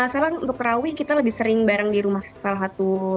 salam untuk terawih kita lebih sering bareng di rumah salah satu